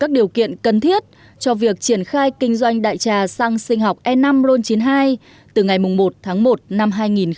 điều kiện cần thiết cho việc triển khai kinh doanh đại trà xăng sinh học e năm ron chín mươi hai từ ngày một tháng một năm hai nghìn hai mươi